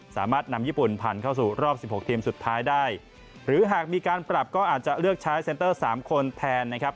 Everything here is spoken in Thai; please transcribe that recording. สามารถนำญี่ปุ่นผ่านเข้าสู่รอบสิบหกทีมสุดท้ายได้หรือหากมีการปรับก็อาจจะเลือกใช้เซ็นเตอร์สามคนแทนนะครับ